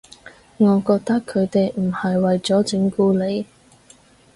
我覺得佢哋唔係為咗整蠱你